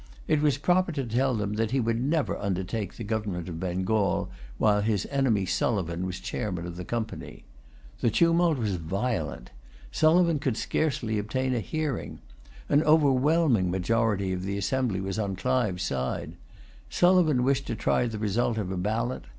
It was proper to tell them that he never would undertake the government of Bengal while his enemy Sulivan was chairman of the Company. The tumult was violent. Sulivan could scarcely obtain a hearing. An overwhelming majority of the assembly was on Clive's side. Sulivan wished to try the result of a ballot.